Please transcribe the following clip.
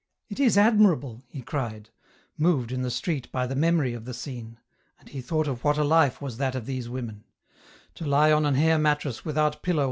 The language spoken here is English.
" It is admirable," he cried, moved in the street by the memory of the scene, and he thought of what a life was thai ol these women 1 To lie on an hair matress without pillow EN ROUTE.